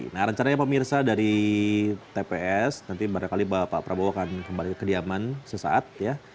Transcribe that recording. nah rencananya pemirsa dari tps nanti barangkali pak prabowo akan kembali ke kediaman sesaat ya